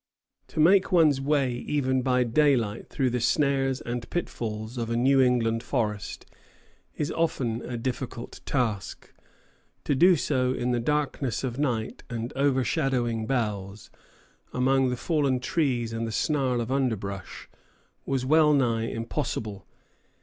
To make one's way even by daylight through the snares and pitfalls of a New England forest is often a difficult task; to do so in the darkness of night and overshadowing boughs, among the fallen trees and the snarl of underbrush, was wellnigh impossible.